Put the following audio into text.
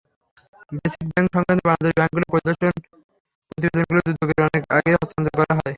Basic ব্যাংক-সংক্রান্ত বাংলাদেশ ব্যাংকের পরিদর্শন প্রতিবেদনগুলো দুদককে অনেক আগেই হস্তান্তর করা হয়।